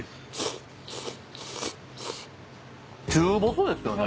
中細ですよね。